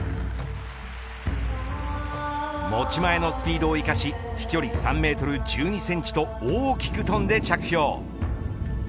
持ち前のスピードを生かし飛距離３メートル１２センチと大きく跳んで着氷。